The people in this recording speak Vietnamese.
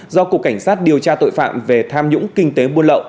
do cục cảnh sát điều tra tội phạm về tham nhũng kinh tế buôn lậu